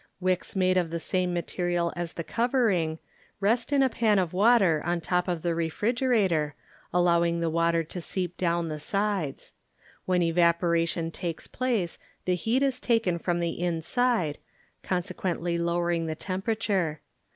Wicks made of the same material as the covering rest in a pan of water on top of the refrigerator, allowing the water to seep down the sides. When evaporation takes place the heat is taken from the inside, consequently lowering the temperature.